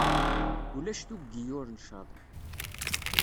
Ulac tuggi ur ncaḍ.